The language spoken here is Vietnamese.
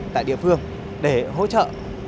tại địa phương để hỗ trợ